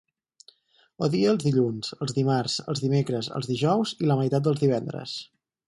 Odie els dilluns, els dimarts, els dimecres, els dijous, i la meitat dels divendres.